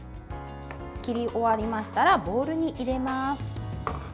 切り終わりましたらボウルに入れます。